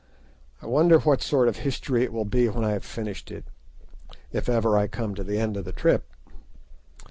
I wonder what sort of a history it will be when I have finished it, if ever I come to the end of the trip!